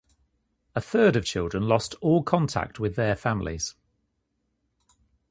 A third of children lost all contact with their families.